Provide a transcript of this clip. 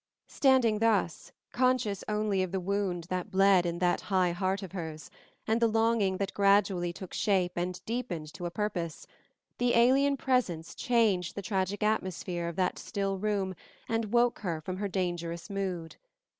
Standing thus, conscious only of the wound that bled in that high heart of hers, and the longing that gradually took shape and deepened to a purpose, an alien presence changed the tragic atmosphere of that still room and woke her from her dangerous mood.